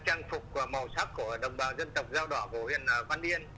trang phục và màu sắc của đồng bào dân tộc dao đỏ của huyện văn yên